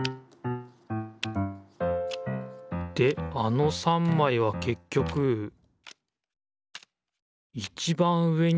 であの３まいはけっきょくいちばん上に来る。